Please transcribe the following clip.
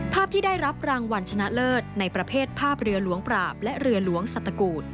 ภาพที่ได้รับรางวัลชนะเลิศในประเภทภาพเรือหลวงปราบและเรือหลวงสัตกูล